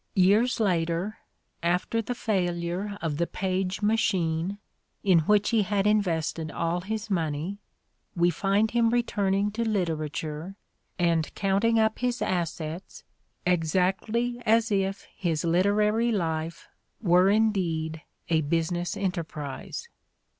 Years later, after the failure of the Paige machine, in which he had invested all his money, we find him return ing to literature and counting up his "assets," exactly as if his literary life were indeed a business enterprise.